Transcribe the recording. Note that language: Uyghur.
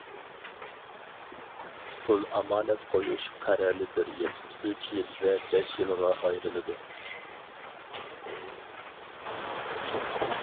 پۇل ئامانەت قويۇش قەرەلى بىر يىل، ئۈچ يىل ۋە بەش يىلغا ئايرىلىدۇ.